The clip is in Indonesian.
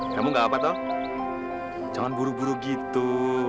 jangan buru buru gitu